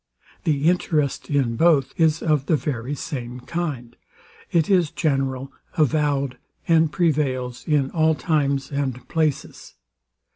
The interest in both is of the very same kind: It is general, avowed, and prevails in all times and places.